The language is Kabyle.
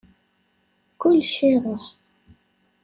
Kullec iṛuḥ.